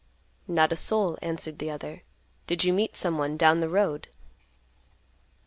"Not a soul," answered the other. "Did you meet someone down the road?"